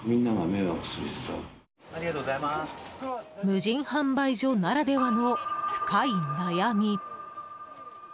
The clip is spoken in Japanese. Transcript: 無人販売所ならではの深い悩み。